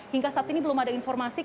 hingga saat ini belum ada informasi